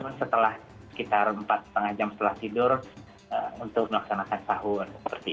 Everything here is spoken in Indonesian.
dan setelah kita rempat setengah jam setelah tidur untuk melaksanakan sahur